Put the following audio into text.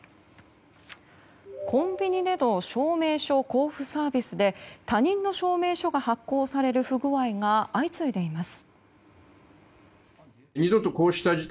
コンビニでの証明書交付サービスで他人の証明書が発行される不具合が相次いでいます。